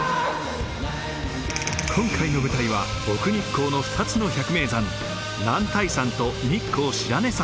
今回の舞台は奥日光の２つの百名山男体山と日光白根山。